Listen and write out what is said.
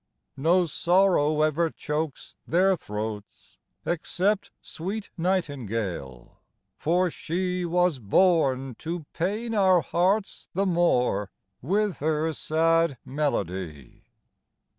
No sorrow ever chokes their throats, Except sweet nightingale; for she Was born to pain our hearts the more With her sad melody.